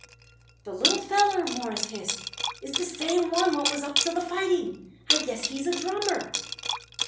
"The little feller," Morris hissed, "is the same one what was up to the fighting. I guess he's a drummer."